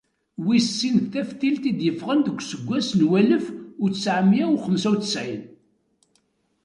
Wis sin d "Taftilt" i d-yeffɣen deg useggas n walef u tesεemya u xemsa u tesεin.